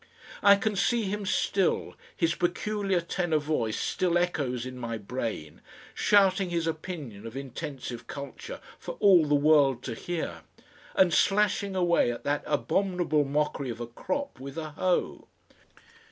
I can see him still, his peculiar tenor voice still echoes in my brain, shouting his opinion of intensive culture for all the world to hear, and slashing away at that abominable mockery of a crop with a hoe.